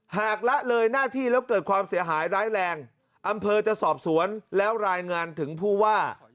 ละเลยหน้าที่แล้วเกิดความเสียหายร้ายแรงอำเภอจะสอบสวนแล้วรายงานถึงผู้ว่า